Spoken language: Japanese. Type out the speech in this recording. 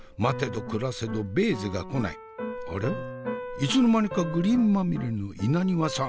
いつの間にかグリーンまみれの稲庭さん。